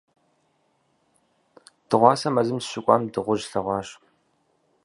Дыгъуасэ мэзым сыщыкӀуам дыгъужь слъэгъуащ.